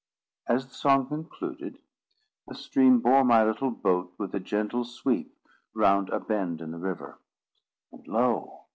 As the song concluded the stream bore my little boat with a gentle sweep round a bend of the river; and lo!